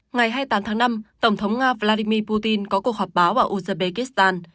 ngày hai mươi tám tháng năm tổng thống nga vladimir putin có cuộc họp báo vào uzbekistan